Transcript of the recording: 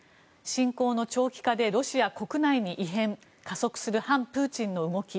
侵攻の長期化でロシア国内に異変加速する反プーチンの動き。